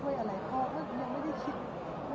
พี่คิดว่าเข้างานทุกครั้งอยู่หรือเปล่า